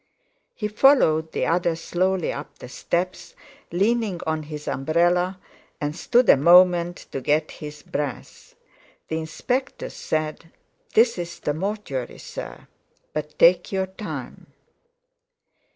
He followed the others slowly up the steps, leaning on his umbrella, and stood a moment to get his breath. The Inspector said: "This is the mortuary, sir. But take your time."